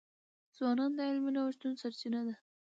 ځوانان د علمي نوښتونو سرچینه دي.